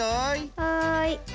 はい。